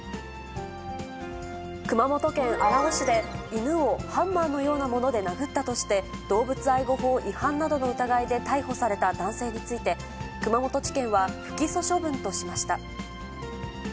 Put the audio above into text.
熊本県荒尾市で犬をハンマーのようなもので殴ったとして、動物愛護法違反などの疑いで逮捕された男性について、熊本地検は不起訴処分としました。